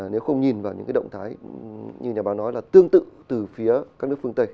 nếu không nhìn vào những động thái như nhà báo nói là tương tự từ phía các nước phương tây